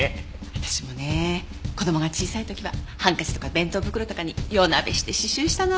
私もね子供が小さい時はハンカチとか弁当袋とかに夜なべして刺繍したな。